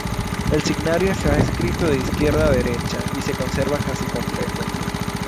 El signario está escrito de izquierda a derecha y se conserva casi completo.